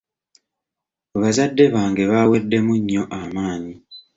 Bazadde bange baaweddemu nnyo amaanyi.